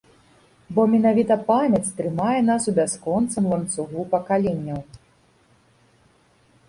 Бо менавіта памяць трымае нас у бясконцым ланцугу пакаленняў.